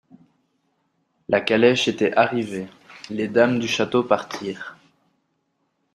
La calèche était arrivée ; les dames du château partirent.